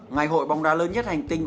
ngày hội bóng đá lớn nhất hành tinh